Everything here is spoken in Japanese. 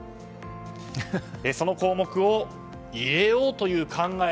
その項目を入れようという考え。